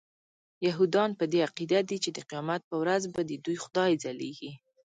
یهودان په دې عقیده دي چې د قیامت په ورځ به ددوی خدای ځلیږي.